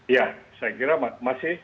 ya saya kira masih